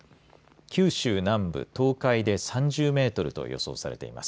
九州南部、東海で３０メートルと予想されています。